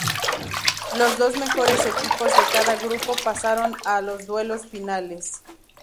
Los dos mejores equipos de cada grupo pasaron a los duelos finales.